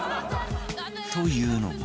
というのも